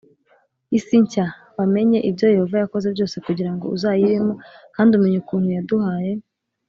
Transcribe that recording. isi nshya Wamenye ibyo Yehova yakoze byose kugira ngo uzayibemo kandi umenya ukuntu yaduhaye